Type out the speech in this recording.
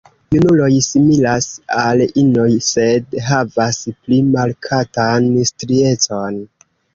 Junuloj similas al inoj, sed havas pli markatan striecon.